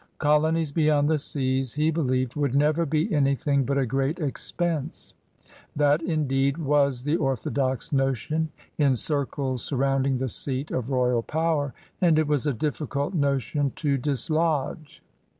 Colonies beyond the seas, he believed, "would never be anything but a great expense." That, indeed, was the orthodox notion in circles surround ing the seat of royal power, and it was a diflScult notion to dislodge.